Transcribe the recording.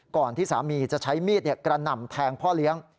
ก่อนที่สามีจะใช้มีดกระหน่ำแทงพ่อเลี้ยง